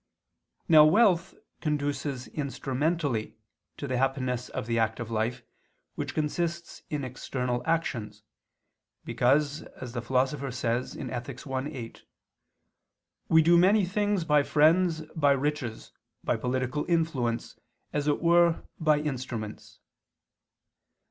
Now wealth conduces instrumentally to the happiness of the active life which consists in external actions, because as the Philosopher says (Ethic. i, 8) "we do many things by friends, by riches, by political influence, as it were by instruments."